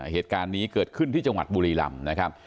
เหตุการณ์นี้เกิดขึ้นที่จังหวัดบุรีรำนะครับ